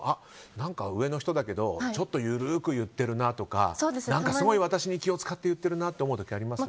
上の人だけどちょっと緩く言ってるなとかすごい私に気を使って言ってるなみたいなのあります？